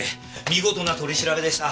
見事な取り調べでした。